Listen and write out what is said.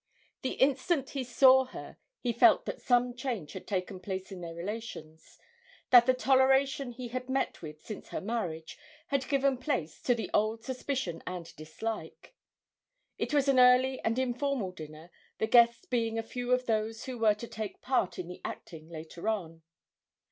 The instant he saw her he felt that some change had taken place in their relations, that the toleration he had met with since her marriage had given place to the old suspicion and dislike. It was an early and informal dinner, the guests being a few of those who were to take part in the acting later on.